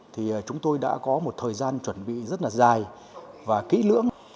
thì chúng tôi đã có một thời gian chuẩn bị rất là dài và kỹ lưỡng